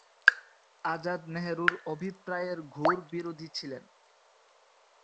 আজাদ নেহরুর অভিপ্রায়ের ঘোর বিরোধী ছিলেন।